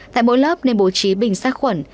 tại mỗi lớp nên bố trí bình sát khuẩn